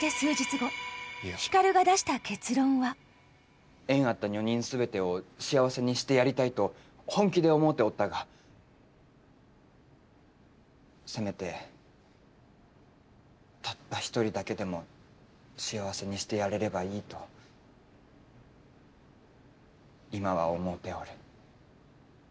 そして縁あった女人すべてを幸せにしてやりたいと本気で思うておったがせめてたった一人だけでも幸せにしてやれればいいと今は思うておる。